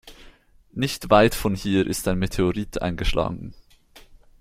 Nicht weit von hier ist ein Meteorit eingeschlagen.